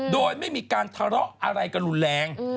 โดยไม่มีการทะเลาะอะไรกันรุนแรง